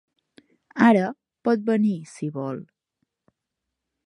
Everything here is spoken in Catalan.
Ara, pot venir, si vol.